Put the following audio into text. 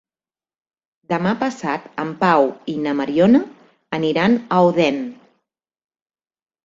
Demà passat en Pau i na Mariona aniran a Odèn.